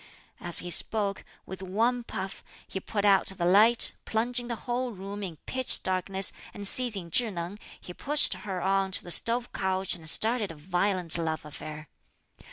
As he spoke, with one puff, he put out the light, plunging the whole room in pitch darkness; and seizing Chih Neng, he pushed her on to the stove couch and started a violent love affair.